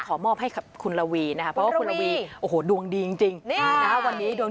ขอมอบให้คุณลาวีน่ะเพราะว่านะราวีโอ๊ยดวงดีจริงวันนี้ดวง